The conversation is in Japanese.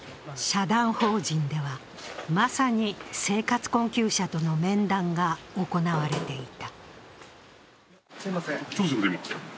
社団法人では、まさに生活困窮者との面談が行われていた。